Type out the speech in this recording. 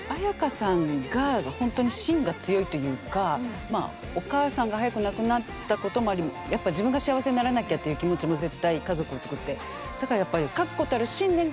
私やっぱりお母さんが早く亡くなったこともありやっぱ自分が幸せにならなきゃっていう気持ちも絶対家族をつくって。